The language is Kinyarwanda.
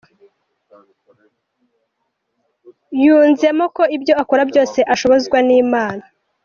Yunzemo ko ibyo akora byose ashobozwa n'Imana.